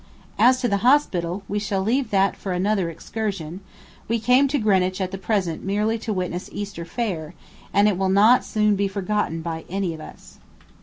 As to the Hospital, we shall leave that for another excursion: we came to Greenwich at present merely to witness Easter Fair, and it will not soon be forgotten by any of us.